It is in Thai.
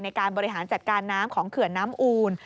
ในการบริหารจัดการน้ำของเขื่อนน้ำอูล